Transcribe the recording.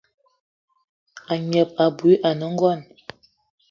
A gneb abui ane gold.